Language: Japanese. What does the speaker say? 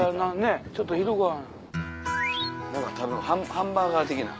ハンバーガー的な？